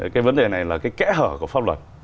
cái vấn đề này là cái kẽ hở của pháp luật